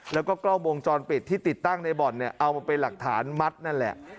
แล้วก็กล้องวงจรปิดที่ติดตั้งในบ่อนเนี่ยเอามาเป็นหลักฐานมัดนั่นแหละ